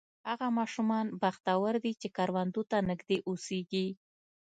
هغه ماشومان بختور دي چې کروندو ته نږدې اوسېږي.